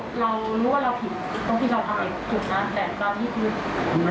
คือเรารู้ว่าเราผิดต้องที่เราทำเองถูกนะแต่บางที่คือ